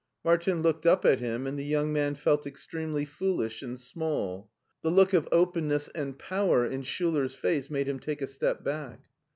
Martin looked up at him, and the young man felt extremely foolish and small. The look of openness and power in Schiller's face made him take a step back.